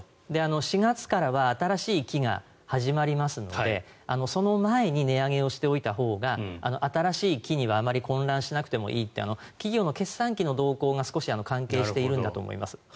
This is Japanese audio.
４月からは新しい期が始まりますのでその前に値上げをしておいたほうが新しい期にはあまり混乱しなくていいという企業の決算期の動向が少し関係しているんだと思います。